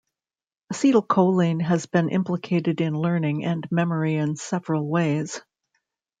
Acetylcholine has been implicated in learning and memory in several ways.